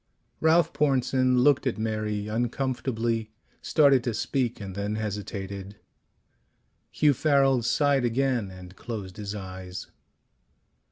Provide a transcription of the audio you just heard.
Ralph Pornsen looked at Mary uncomfortably, started to speak and then hesitated. Hugh Farrel sighed again and closed his eyes.